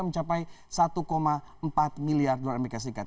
mencapai satu empat miliar dolar amerika serikat